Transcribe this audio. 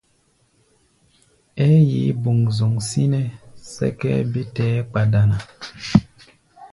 Ɛ́ɛ́ yeé boŋzoŋ sínɛ́ sɛ́kʼɛ́ɛ́ bé tɛɛ́ kpa dana.